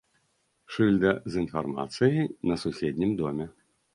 Шыльда з інфармацыяй на суседнім доме.